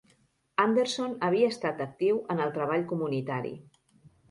Anderson havia estat actiu en el treball comunitari.